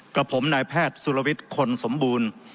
กับผมนายแพทย์สุรวิทย์คนสมบูรณ์